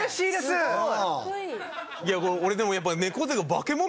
いや俺でもやっぱ。